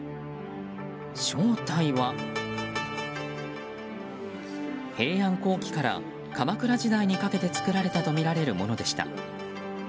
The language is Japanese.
正体は平安後期から鎌倉時代にかけて作られたとみられるものでした。